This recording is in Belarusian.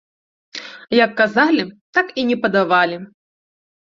Як казалі, так і не падавалі.